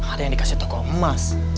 ada yang dikasih toko emas